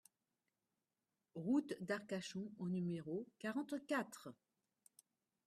Route d'Arcachon au numéro quarante-quatre